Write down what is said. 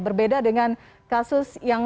berbeda dengan kasus yang